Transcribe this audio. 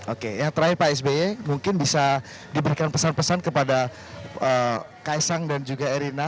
oke yang terakhir pak sby mungkin bisa diberikan pesan pesan kepada kaisang dan juga erina